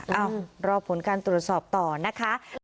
เอ้ารอผลการตรวจสอบต่อนะคะ